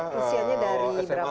presidennya dari berapa tahun